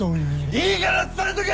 いいから伝えとけ！